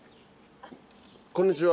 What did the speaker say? こんにちは。